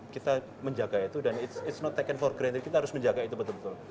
kita menjaga itu dan it's not taken for granted kita harus menjaga itu betul betul